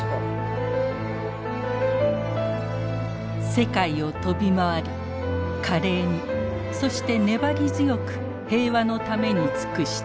世界を飛び回り華麗にそして粘り強く平和のために尽くした。